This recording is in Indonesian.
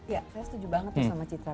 ya saya setuju banget tuh sama citra